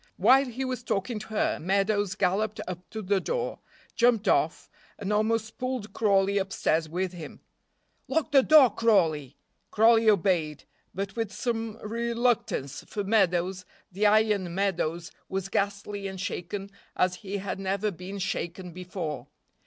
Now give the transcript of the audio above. While he was talking to her Meadows galloped up to the door, jumped off, and almost pulled Crawley upstairs with him. "Lock the door, Crawley." Crawley obeyed, but with some reluctance, for Meadows, the iron Meadows, was ghastly and shaken as he had never been shaken before.